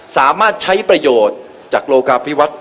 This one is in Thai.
สามารถใช้ประโยชน์จากโลกาพิวัฒน์